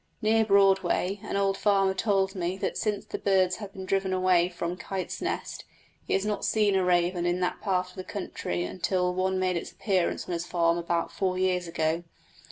Near Broadway an old farmer told me that since the birds had been driven away from "Kite's Nest" he had not seen a raven in that part of the country until one made its appearance on his farm about four years ago.